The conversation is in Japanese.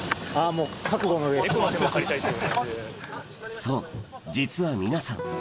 そう実は皆さん